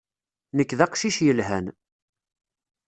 Nekk d aqcic yelhan.